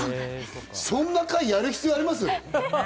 そんな会、やる必要あります？